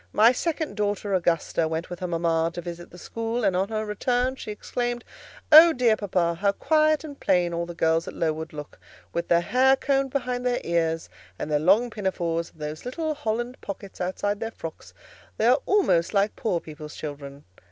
My second daughter, Augusta, went with her mama to visit the school, and on her return she exclaimed: 'Oh, dear papa, how quiet and plain all the girls at Lowood look, with their hair combed behind their ears, and their long pinafores, and those little holland pockets outside their frocks—they are almost like poor people's children!